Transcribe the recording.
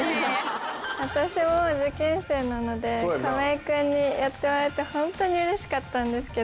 私も受験生なので亀井君にやってもらえてホントにうれしかったんですけど。